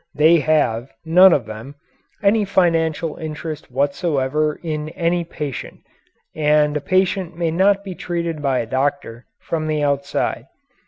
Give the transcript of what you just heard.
They have, none of them, any financial interest whatsoever in any patient, and a patient may not be treated by a doctor from the outside.